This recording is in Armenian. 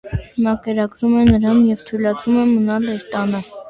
Նա կերակրում է նրան և թույլատրում է մնալ իր տանը։